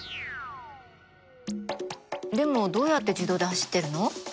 でもどうやって自動で走ってるの？